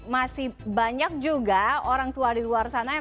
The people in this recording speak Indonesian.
masih banyak juga orang tua yang masih berpengalaman